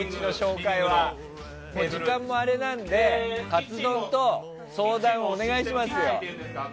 時間もあれなんでカツ丼と相談をお願いしますよ。